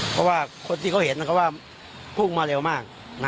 เพราะว่าคนที่เขาเห็นเขาว่าพุ่งมาเร็วมาก